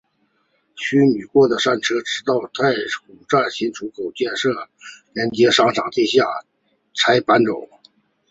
虚拟过山车直至太古站新出口建成连接商场地下才搬走。